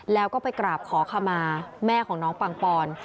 แล้วก็ไปกราบขอขมาแม่ของน้องปังปอน